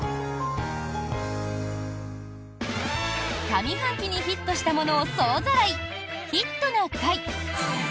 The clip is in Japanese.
上半期にヒットしたものを総ざらい「ヒットな会」。